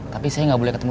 tapi saya gak boleh ketemu